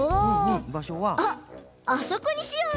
あっあそこにしよう！